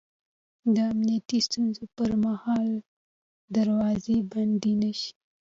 د امنیتي ستونزو پر مهال دروازې بندې نه شي